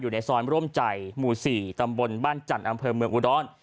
ในซอยร่วมใจหมู่๔ตำบลบ้านจันทร์อำเภอเมืองอุดร